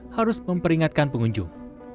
harus memperingatkan pengunjung